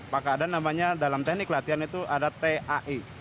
pak kadan namanya dalam teknik latihan itu ada tai